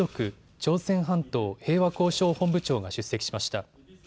朝鮮半島平和交渉本部長が出席しました。